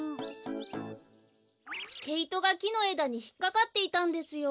けいとがきのえだにひっかかっていたんですよ。